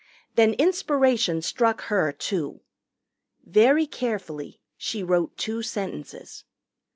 Then inspiration struck her, too. Very carefully she wrote two sentences.